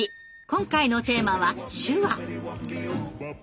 今回のテーマは「手話」！